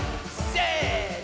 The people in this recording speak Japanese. せの！